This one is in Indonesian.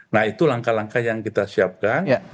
nah itu langkah langkah yang kita siapkan